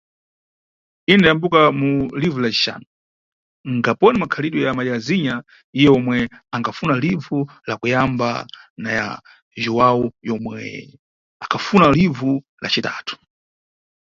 Ine ndayambuka mu livu la cixanu, ngaponi makhalidwe ya Mariazinha iye omwe akhapfunza livu la kuyamba na ya Juwau omwe akhapfunza livu la citatu?